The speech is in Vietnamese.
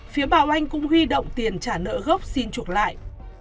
phía bảo anh cũng huy động tiền trả nợ gốc xin chuộc lại